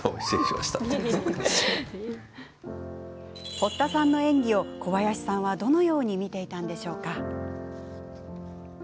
堀田さんの演技を小林さんは、どのように見ていたのでしょうか？